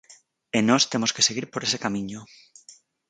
E nós temos que seguir por ese camiño.